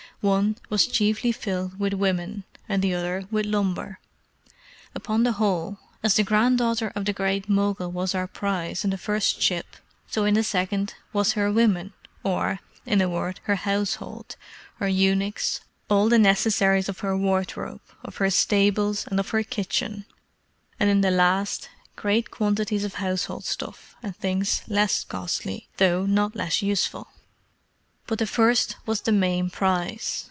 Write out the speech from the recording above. One was chiefly filled with women, and the other with lumber. Upon the whole, as the granddaughter of the Great Mogul was our prize in the first ship, so in the second was her women, or, in a word, her household, her eunuchs, all the necessaries of her wardrobe, of her stables, and of her kitchen; and in the last, great quantities of household stuff, and things less costly, though not less useful. But the first was the main prize.